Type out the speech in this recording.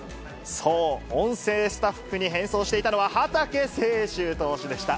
そう、音声スタッフに変装していたのは、畠世周投手でした。